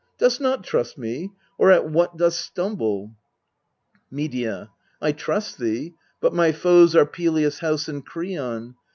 dost not trust me? or at what dost stumble? Medea. I trust thee : but my foes are Pelias' house And Kreon.